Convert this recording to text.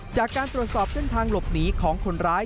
จากการตรวจสอบเส้นทางหลบหนีของคนร้าย